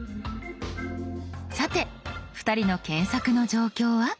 さて２人の検索の状況は。